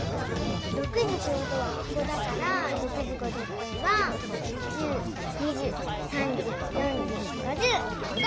６時ちょうどはここだから６時５０分は１０２０３０４０５０ここ！